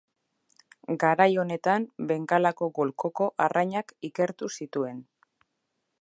Garai honetan Bengalako golkoko arrainak ikertu zituen.